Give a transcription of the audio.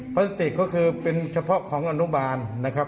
พลาสติกก็คือเป็นเฉพาะของอนุบาลนะครับ